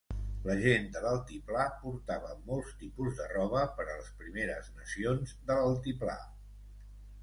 La gent de l'Altiplà portava molts tipus de roba per a les Primeres Nacions de l'Altiplà.